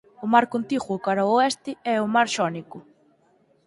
O mar contiguo cara ao oeste é o Mar Xónico.